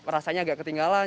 rasanya agak ketinggalan